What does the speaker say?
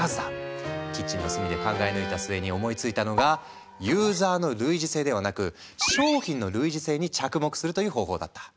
キッチンの隅で考え抜いた末に思いついたのがユーザーの類似性ではなく商品の類似性に着目するという方法だった。